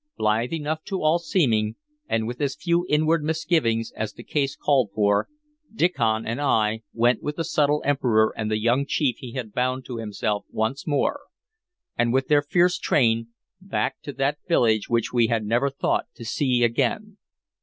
Blithe enough to all seeming, and with as few inward misgivings as the case called for, Diccon and I went with the subtle Emperor and the young chief he had bound to himself once more, and with their fierce train, back to that village which we had never thought to see again.